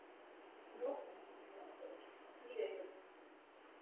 Díky jeho aktivitám rovněž v Brodu vyrostl zemský ústav pro choromyslné.